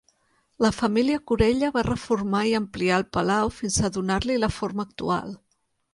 La família Corella va reformar i ampliar el palau fins a donar-li la forma actual.